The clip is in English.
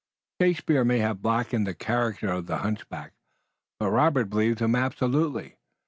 Shakespeare may have blackened the character of the hunchback, but Robert believed him absolutely.